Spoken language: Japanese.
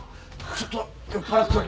ちょっと酔っ払っております。